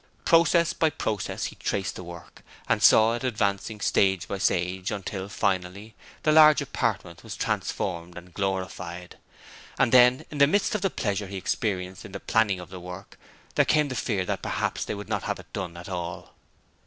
Process by process he traced the work, and saw it advancing stage by stage until, finally, the large apartment was transformed and glorified. And then in the midst of the pleasure he experienced in the planning of the work there came the fear that perhaps they would not have it done at all.